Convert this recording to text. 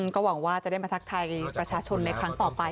ก็หวังว่าจะได้มาทักทายประชาชนในครั้งต่อไป